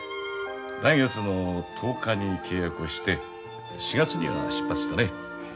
来月の１０日に契約をして４月には出発だね。